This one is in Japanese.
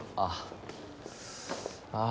ああ！